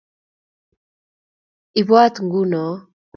Ibwaat nguno.